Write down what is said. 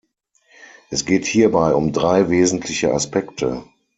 Es geht hierbei um drei wesentliche Aspekte.